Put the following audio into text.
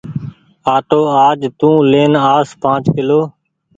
آٽو آج تو لين آس پآنچ ڪلو۔